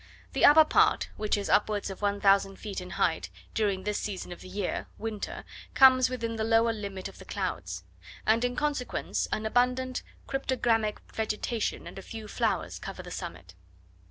The upper part, which is upwards of 1000 feet in height, during this season of the year (winter), comes within the lower limit of the clouds; and in consequence, an abundant cryptogamic vegetation, and a few flowers cover the summit.